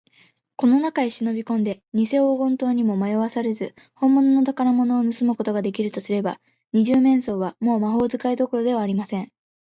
この中へしのびこんで、にせ黄金塔にもまよわされず、ほんものの宝物をぬすむことができるとすれば、二十面相は、もう魔法使いどころではありません。